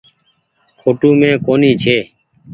ڦوٽو مين ڪونيٚ ڇي۔